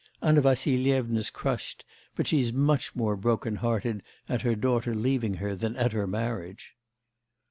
Anna Vassilyevna's crushed, but she's much more brokenhearted at her daughter leaving her than at her marriage.